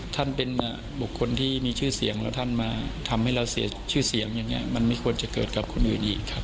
ท่านเป็นบุคคลที่มีชื่อเสียงแล้วท่านมาทำให้เราเสียชื่อเสียงอย่างนี้มันไม่ควรจะเกิดกับคนอื่นอีกครับ